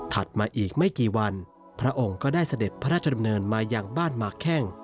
มาอีกไม่กี่วันพระองค์ก็ได้เสด็จพระราชดำเนินมาอย่างบ้านหมากแข้ง